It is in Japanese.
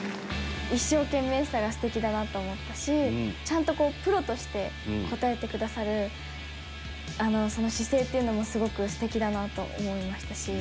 一生懸命さが素敵だなと思ったしちゃんとプロとして応えてくださるその姿勢っていうのもすごく素敵だなと思いましたし。